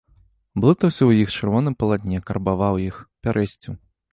Блытаўся ў іх чырвоным палатне, карбаваў іх, пярэсціў.